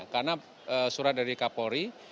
karena surat dari kapolri